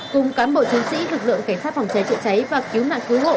cùng cán bộ chiến sĩ lực lượng cảnh sát phòng cháy chữa cháy và cứu nạn cứu hộ